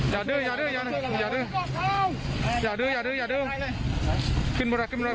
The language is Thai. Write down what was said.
อย่าดื้ออย่าดื้ออย่าดื้ออย่าดื้ออย่าดื้อขึ้นบรรคขึ้นบรรคขึ้นบรรค